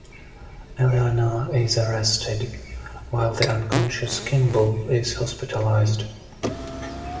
Eleanor is arrested, while the unconscious Kimble is hospitalized.